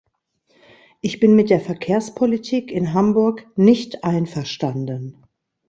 Ich bin mit der Verkehrspolitik in Hamburg nicht einverstanden.